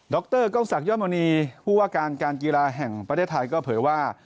รกล้องศักดมณีผู้ว่าการการกีฬาแห่งประเทศไทยก็เผยว่า